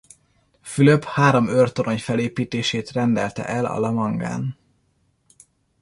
Fülöp három őrtorony felépítését rendelte el a La Mangán.